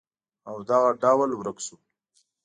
او دغه ډول ورک شول